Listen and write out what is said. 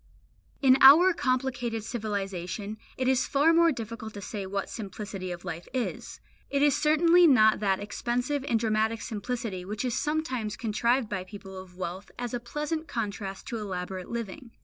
In our complicated civilisation it is far more difficult to say what simplicity of life is. It is certainly not that expensive and dramatic simplicity which is sometimes contrived by people of wealth as a pleasant contrast to elaborate living.